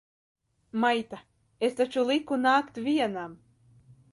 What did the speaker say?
Maita! Es taču liku nākt vienam!